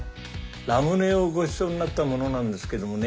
ラムネをごちそうになった者なんですけどもね。